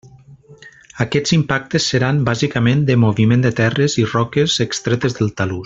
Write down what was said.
Aquests impactes seran, bàsicament, de moviment de terres i roques extretes del talús.